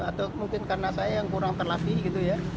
atau mungkin karena saya yang kurang terlatih gitu ya